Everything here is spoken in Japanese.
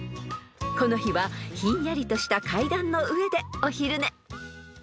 ［この日はひんやりとした階段の上でお昼寝］